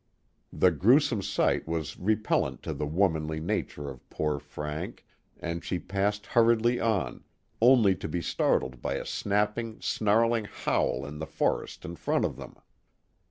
The grewsome sight was nrepellent to the womanly nature of poor Frank, and she passed ■hurriedly on, only to be startled by a snapping, snarling how! in the forest in front of them.